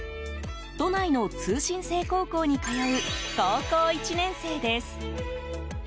都内の通信制高校に通う高校１年生です。